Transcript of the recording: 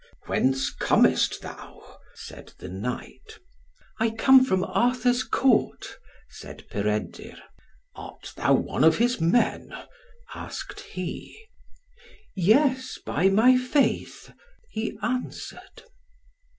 "Whence comest thou?" said the knight. "I come from Arthur's Court," said Peredur. "Art thou one of his men?" asked he. "Yes, by my faith," he answered.